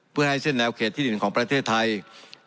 เพื่อให้เส้นแววเขตที่ดินของประเทศไทย